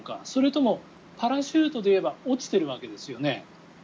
それともパラシュートでいえば落ちているわけですよね。